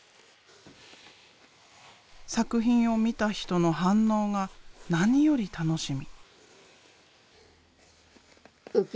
作品を見た人の反応が何より楽しみ。